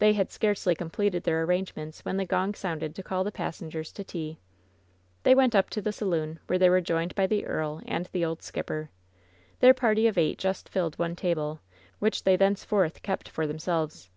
They had scarcely completed their arrangements when the gong sounded to call the passengers to tea. They went up to the saloon, where they were joined by the earl and the old skipper. Their party of eight just filled one table, which they thenceforth kept for themselves.